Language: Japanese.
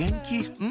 うん！